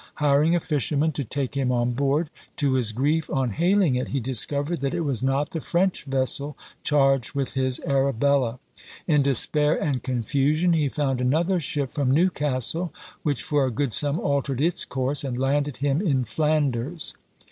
Hiring a fisherman to take him on board, to his grief, on hailing it, he discovered that it was not the French vessel charged with his Arabella. In despair and confusion, he found another ship from Newcastle, which for a good sum altered its course, and landed him in Flanders.